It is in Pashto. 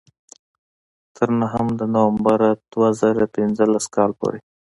تر نهم د نومبر دوه زره پینځلس کال پورې.